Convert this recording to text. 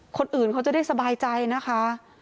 คนอื่นเขาจะได้สบายใจนะคะ